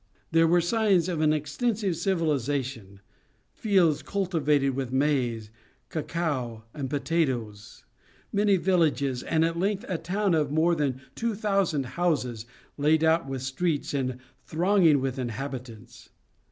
There were signs of an extensive civilization; fields cultivated with maize, cacao, and potatoes; many villages; and at length a town of more than two thousand houses, laid out with streets, and thronging with inhabitants.